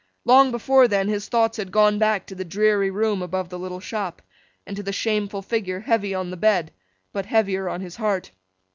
Long before then his thoughts had gone back to the dreary room above the little shop, and to the shameful figure heavy on the bed, but heavier on his heart.